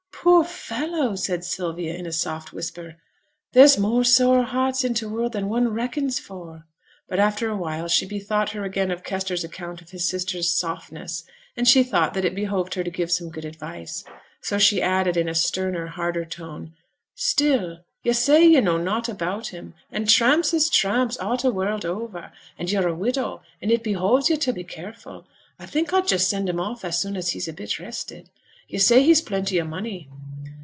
'Poor fellow!' said Sylvia, in a soft whisper. 'There's more sore hearts i' t' world than one reckons for!' But after a while, she bethought her again of Kester's account of his sister's 'softness'; and she thought that it behoved her to give some good advice. So she added, in a sterner, harder tone 'Still, yo' say yo' know nought about him; and tramps is tramps a' t' world over; and yo're a widow, and it behoves yo' to be careful. I think I'd just send him off as soon as he's a bit rested. Yo' say he's plenty o' money?'